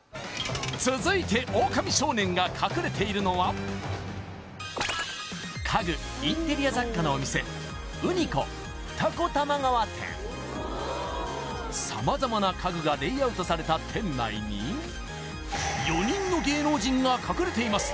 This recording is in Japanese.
続いてオオカミ少年が隠れているのは家具インテリア雑貨のお店様々な家具がレイアウトされた店内に４人の芸能人が隠れています